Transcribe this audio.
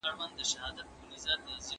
اوس ئې دا احسانونه هم منو، چي زموږ غچ اخلي!